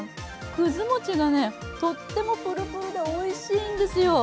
くず餅がとってもプルプルでおいしいんですよ。